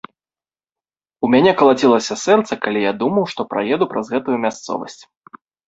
У мяне калацілася сэрца, калі я думаў, што праеду праз гэтую мясцовасць.